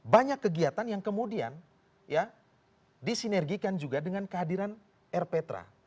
banyak kegiatan yang kemudian ya disinergikan juga dengan kehadiran rptra